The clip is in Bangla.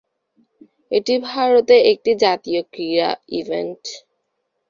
এটি ভারতে একটি জাতীয় ক্রীড়া ইভেন্ট।